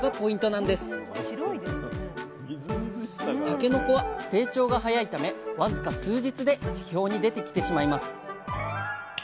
たけのこは成長が早いため僅か数日で地表に出てきてしまいます。